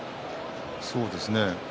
そうですね